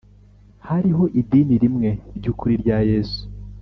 Hariho idini rimwe ry ukuri rya yesu